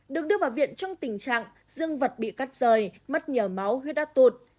được đưa vào viện trong tình trạng dương vật bị cắt rời mất nhiều máu huyết đá tụt